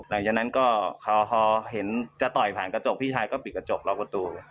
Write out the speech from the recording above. หลังจากนั้นก็พอเห็นจะต่อยผ่านกระจกพี่ชายก็ปิดกระจกล็อกประตู